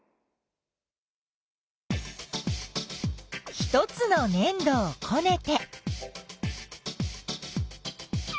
１つのねん土をこねて。